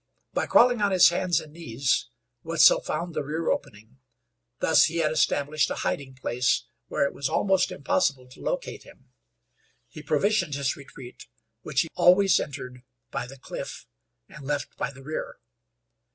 By crawling on his hands and knees, Wetzel found the rear opening. Thus he had established a hiding place where it was almost impossible to locate him. He provisioned his retreat, which he always entered by the cliff and left by the rear.